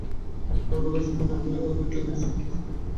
যারা কথাটা শুনে অবাক হচ্ছ, তাদের জন্যই আজকে পাঁচ নিয়ে একটু প্যাঁচাল।